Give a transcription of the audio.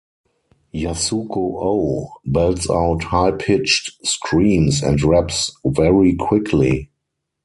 Yasuko O. belts out high-pitched screams and raps very quickly.